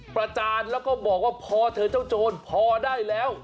ประจานแล้วก็บอกว่าพอเธอเจ้าโจรพอได้แล้ว